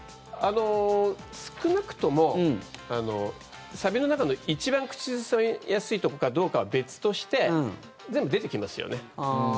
少なくとも、サビの中の一番口ずさみやすいところかどうかは別として全部出てきますよね。